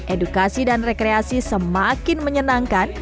edukasi dan rekreasi semakin menyenangkan